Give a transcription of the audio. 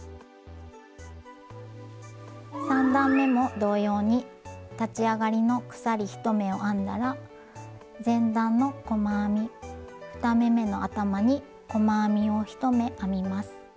３段めも同様に立ち上がりの鎖１目を編んだら前段の細編み２目めの頭に細編みを１目編みます。